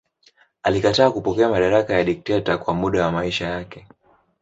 Alikataa kupokea madaraka ya dikteta kwa muda wa maisha yake.